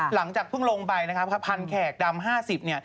หลังจากเพิ่งลงไปนะครับพันแขกดำ๕๐เนี่ย